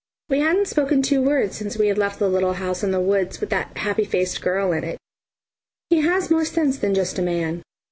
We hadn't spoken two words since we had left the little house in the woods with that happy faced girl in it. He has more sense than just a man.